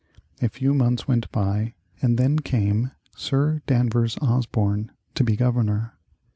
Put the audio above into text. A few months went by, and then came Sir Danvers Osborne to be Governor.